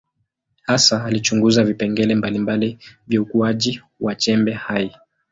Hasa alichunguza vipengele mbalimbali vya ukuaji wa chembe hai.